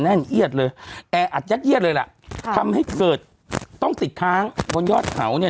แน่นเอียดเลยแออัดยัดเยียดเลยล่ะค่ะทำให้เกิดต้องติดค้างบนยอดเขาเนี่ย